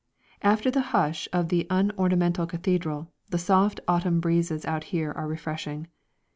_ After the hush of the unornamental cathedral the soft autumn breezes out here are refreshing.